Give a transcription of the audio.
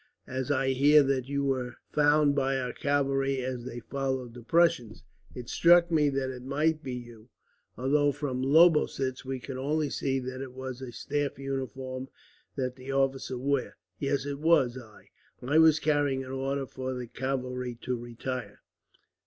As I hear that you were found by our cavalry as they followed the Prussians, it struck me that it might be you; although from Lobositz we could only see that it was a staff uniform that the officer wore." "Yes, it was I. I was carrying an order for the cavalry to retire."